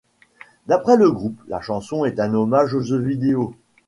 D'après le groupe, la chanson est un hommage au jeu vidéo.